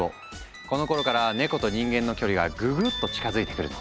このころからネコと人間の距離がぐぐっと近づいてくるの。